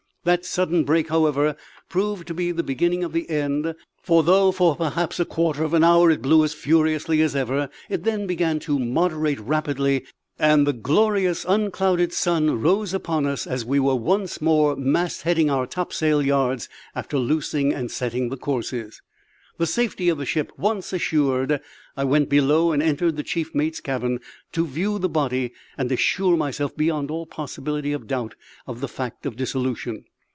That sudden break, however, proved to be the beginning of the end; for though for perhaps a quarter of an hour it blew as furiously as ever, it then began to moderate rapidly; and the glorious, unclouded sun rose upon us as we were once more mast heading our topsail yards after loosing and setting the courses. The safety of the ship once assured, I went below and entered the chief mate's cabin, to view the body and assure myself, beyond all possibility of doubt, of the fact of dissolution.